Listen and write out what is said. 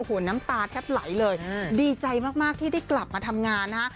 น้ำตาแทบไหลเลยดีใจมากที่ได้กลับมาทำงานนะฮะ